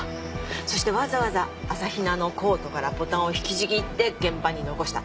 そしてわざわざ朝比奈のコートからボタンを引きちぎって現場に残した。